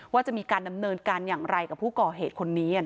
ว่าจะมีการดำเนินการอย่างไรกับผู้ก่อเหตุคนนี้